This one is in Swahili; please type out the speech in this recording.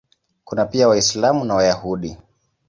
Kuna pia Waislamu na Wayahudi.